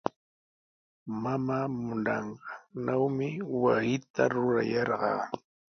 Mamaa munanqannawmi wasita rurayarqaa.